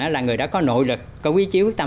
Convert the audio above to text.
là người đó có nội lực có quý chiếu quyết tâm